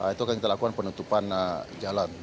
itu akan kita lakukan penutupan jalan